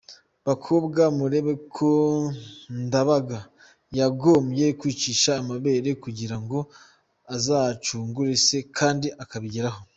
Bakobwa, murebe ko Ndabaga yagombye kwicisha amabere kugira ngo azacungure se, kandi akabigeraho.